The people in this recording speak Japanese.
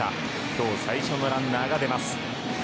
今日最初のランナーが出ます。